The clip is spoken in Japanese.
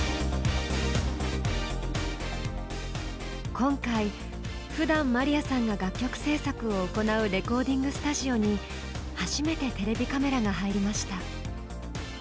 今回ふだんまりやさんが楽曲制作を行うレコーディングスタジオに初めてテレビカメラが入りました。